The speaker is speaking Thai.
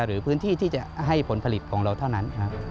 หรือพื้นที่ที่จะให้ผลผลิตของเราเท่านั้น